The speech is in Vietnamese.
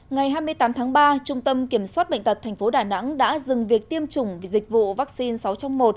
ngày hai mươi tám tháng ba trung tâm kiểm soát bệnh tật tp đà nẵng đã dừng việc tiêm chủng dịch vụ vaccine sáu trong một